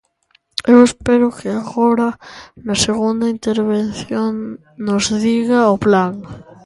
Eu espero que agora, na segunda intervención, nos diga o plan.